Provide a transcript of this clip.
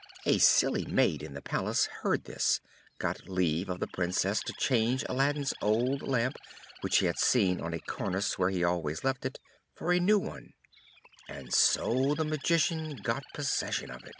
A silly maid in the Palace, hearing this, got leave of the Princess to change Aladdin's old Lamp, which she had seen on a cornice where he always left it, for a new one, and so the Magician got possession of it.